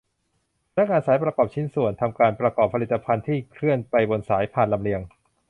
พนักงานสายประกอบชิ้นส่วน ทำการประกอบผลิตภัณฑ์ ที่เคลื่อนไปบนสายพานลำเลียง